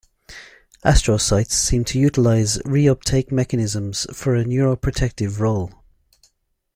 Astrocytes seem to utilize reuptake mechanisms for a neuroprotective role.